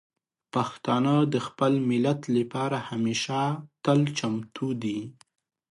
پښتانه د خپل ملت لپاره همیشه تل چمتو دي.